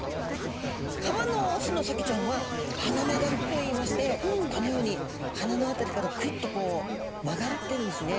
川のオスのサケちゃんは鼻曲がりといいましてこのように鼻の辺りからクイッとこう曲がってるんですね。